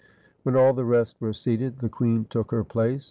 When all the rest were seated, the queen took her place.